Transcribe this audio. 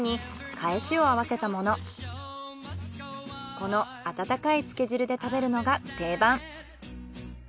この温かいつけ汁で食べるのが定番。